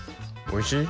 おいしい！